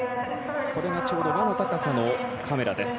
これが、ちょうど輪の高さのカメラです。